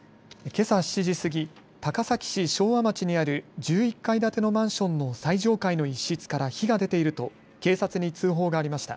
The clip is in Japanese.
けさ７時過ぎ高崎市昭和町にある１１階建てのマンションの最上階の一室から火が出ていると警察に通報がありました。